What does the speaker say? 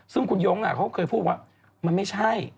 ซึ่งคุณยงเขาเคยพูดว่ามันไม่ใช่